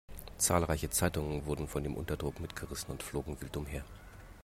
Zahlreiche Zeitungen wurden von dem Unterdruck mitgerissen und flogen wild umher.